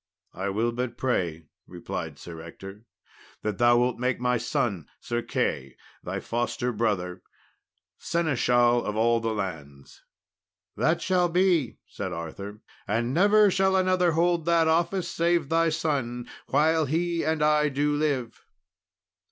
"I will but pray," replied Sir Ector, "that thou wilt make my son Sir Key, thy foster brother, seneschal of all the lands." "That shall he be," said Arthur; "and never shall another hold that office, save thy son, while he and I do live."